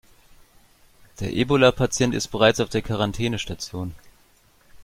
Der Ebola-Patient ist bereits auf der Quarantänestation.